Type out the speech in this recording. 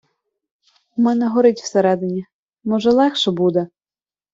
У мене горить всередині, може, легше буде?..